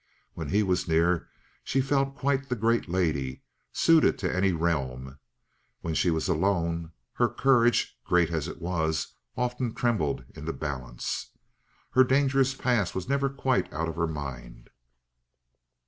When he was near she felt quite the great lady, suited to any realm. When she was alone her courage, great as it was, often trembled in the balance. Her dangerous past was never quite out of her mind.